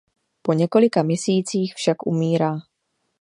Po několika měsících však umírá.